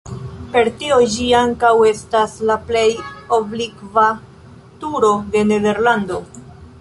Per tio ĝi ankaŭ estas la plej oblikva turo de Nederlando.